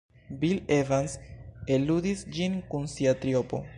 Bill Evans ludis ĝin kun sia triopo.